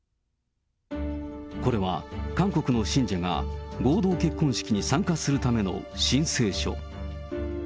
これは韓国の信者が、合同結婚式に参加するための申請書。